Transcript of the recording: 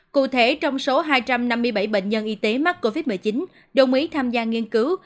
cụ thể trong số hai trăm năm mươi bảy bệnh nhân y tế mắc covid một mươi chín đồng ý tham gia nghiên cứu